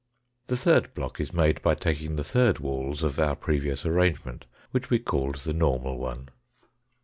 The third block is made by taking the third walls of our previous arrangement, which we called the normal one.